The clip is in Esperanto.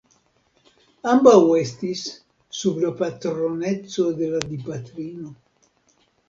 Ambaŭ estis sub la patroneco de la Dipatrino.